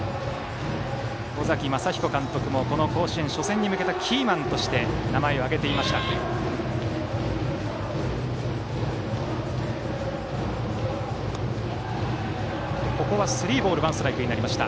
尾崎公彦監督も甲子園初戦に向けてキーマンとして名前を挙げていました、大川です。